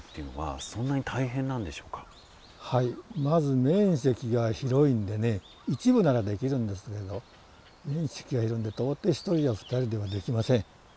まず面積が広いんでね一部ならできるんですけど面積が広いんで到底１人や２人ではできません。